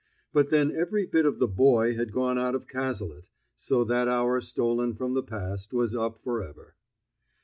But then every bit of the boy had gone out of Cazalet. So that hour stolen from the past was up forever.